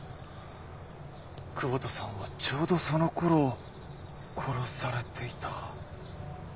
窪田さんはちょうどそのころ殺されていた。